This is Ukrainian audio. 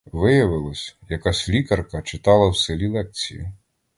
Виявилось, якась лікарка читала в селі лекцію.